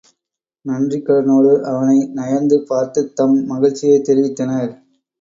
நன்றிக் கடனோடு அவனை நயந்து பார்த்துத் தம் மகிழ்ச்சியைத் தெரிவித்தனர்.